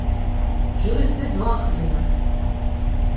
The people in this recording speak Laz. Juriti dvaqvinen.